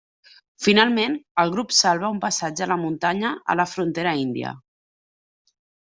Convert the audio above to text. Finalment, el grup salva un passatge a la muntanya a la frontera índia.